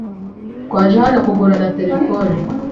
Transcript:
Twaje hano kugura na terefone.